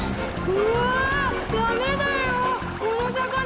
うわ。